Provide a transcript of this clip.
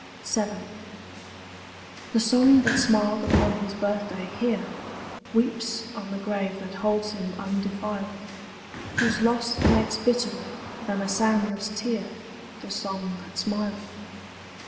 VII. The song that smiled upon his birthday here Weeps on the grave that holds him undefiled Whose loss makes bitterer than a soundless tear The song that smiled.